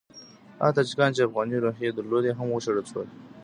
هغه تاجکان چې افغاني روحیې درلودې هم وشړل شول.